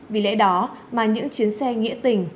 vì lẽ đó mà những chuyến xe nghĩa tình